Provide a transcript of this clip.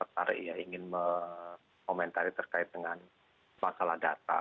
saya ingin memperkenalkan terkait dengan masalah data